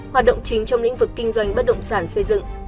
hoạt động chính trong lĩnh vực kinh doanh bất động sản xây dựng